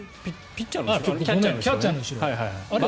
キャッチャーの後ろ。